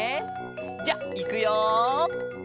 じゃあいくよ。